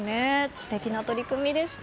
知的な取り組みでした。